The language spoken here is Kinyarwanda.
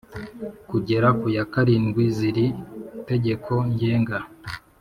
kugera ku ya karindwi z iri tegeko ngenga